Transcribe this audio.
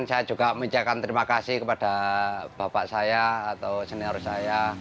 saya juga mengucapkan terima kasih kepada bapak saya atau senior saya